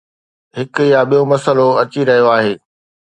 هڪ يا ٻيو مسئلو اچي رهيو آهي.